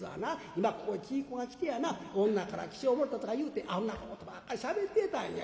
今ここへ喜ぃ公が来てやな女から起請もろたとか言うてアホなことばっかりしゃべってたんや。